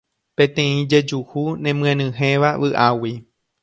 Peteĩ jejuhu nemyenyhẽva vy'águi